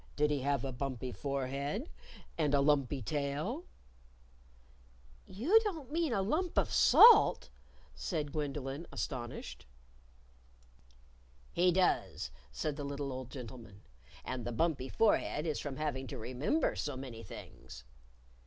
"Did he have a bumpy forehead? and a lumpy tail?" "You don't mean a lump of salt," said Gwendolyn, astonished. "He does," said the little old gentleman. "And the bumpy forehead is from having to remember so many things."